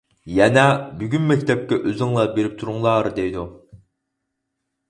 يەنە: بۈگۈن مەكتەپكە ئۆزۈڭلار بېرىپ تۇرۇڭلار دەيدۇ.